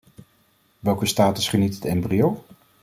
Welke status geniet het embryo?